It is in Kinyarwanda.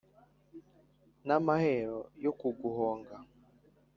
n' amahero yo kuguhonga.